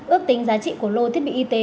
ước tính giá trị của lô thiết bị y tế